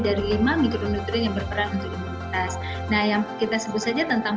dari lima mikronutrien yang berperan untuk imunitas nah yang kita sebut saja tentang